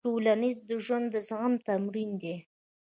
ټولنیز ژوند د زغم تمرین دی.